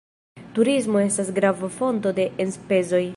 Turismo estas grava fonto de enspezoj.